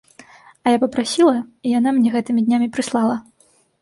А я папрасіла, і яна мне гэтымі днямі прыслала.